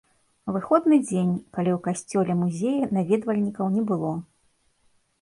Выходны дзень, калі ў касцёле-музеі наведвальнікаў не было.